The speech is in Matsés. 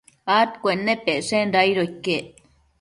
adcuennepecshenda aido iquec